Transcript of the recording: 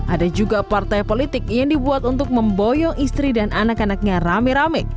ada juga partai politik yang dibuat untuk memboyong istri dan anak anaknya rame rame